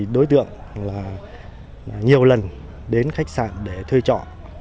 đối tượng nhiều lần đến khách sạn để thuê trọ